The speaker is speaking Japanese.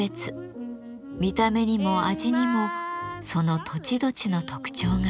見た目にも味にもその土地土地の特徴が現れます。